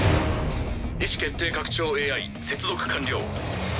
意志決定拡張ＡＩ接続完了。